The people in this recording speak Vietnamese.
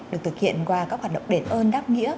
được thực hiện qua các hoạt động đền ơn đáp nghĩa